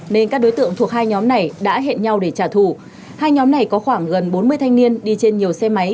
nên các đối tượng thuộc hai nhóm này đã hẹn nhau để trả thù hai nhóm này có khoảng gần bốn mươi thanh niên đi trên nhiều xe máy